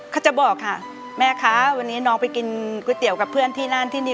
เขาจะบอกค่ะแม่คะวันนี้น้องไปกินก๋วยเตี๋ยวกับเพื่อนที่นั่นที่นี่